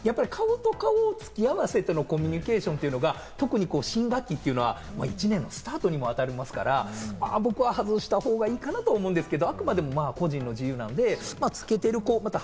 ただ顔と顔をつきあわせてのコミュニケーションというのが特に新学期というのは１年のスタートにあたりますから、まぁ僕は外したほうがいいかなと思うんですけど。